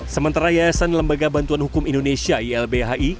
sementara yayasan lembaga bantuan hukum indonesia ylbhi